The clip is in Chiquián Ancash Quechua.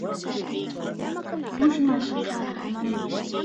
Ushmashqa sara hakanaq.